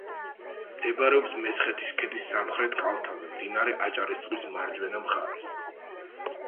მდებარეობს მესხეთის ქედის სამხრეთ კალთაზე, მდინარე აჭარისწყლის მარჯვენა მხარეს.